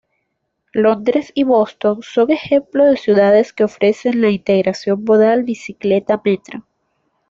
Londres y Boston son ejemplo de ciudades que ofrecen la integración modal bicicleta-metro.